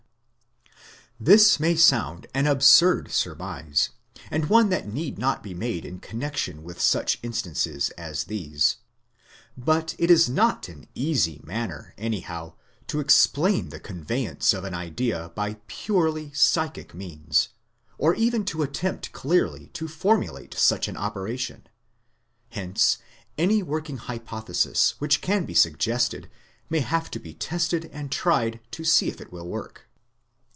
This may sound an absurd surmise, and one that need not be made in connection with such instances as these. But it is not an easy matter, anyhow, to explain the conveyance of an idea by purely psychic means, or even to attempt clearly to formulate such an operation; hence any working hypothesis which can be suggested may have to be tested and tried to see if it will work.